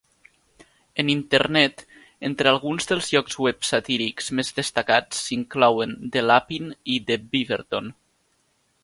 En Internet, entre alguns dels llocs web satírics més destacats s'inclouen "The Lapine" i "The Beaverton".